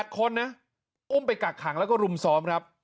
๘คนนะอุ้มไปกักขังแล้วก็รุมซ้อมครับ